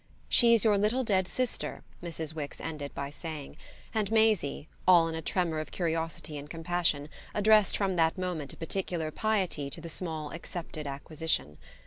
"She's your little dead sister," Mrs. Wix ended by saying, and Maisie, all in a tremor of curiosity and compassion, addressed from that moment a particular piety to the small accepted acquisition.